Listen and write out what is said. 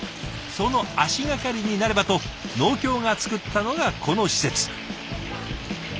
その足掛かりになればと農協が作ったのがこの施設。